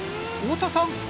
大田さん